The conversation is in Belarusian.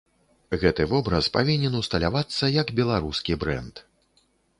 Гэты вобраз павінен усталявацца як беларускі брэнд.